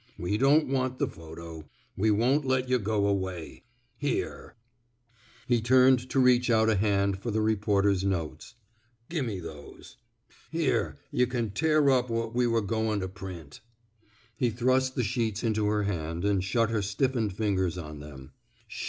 We don't want the photo. We won't let yuh go away. Here I" He turned to reach out a hand for the reporter's notes. *' Gi' me those. ... Here, yuh can tear up what we were goin' to print." He thrust the sheets into her hand and shut her stiffened fingers on them.